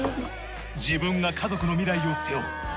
自分が家族の未来を背負う。